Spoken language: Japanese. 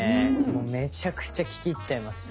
もうめちゃくちゃ聴き入っちゃいました。